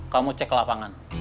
kamu cek ke lapangan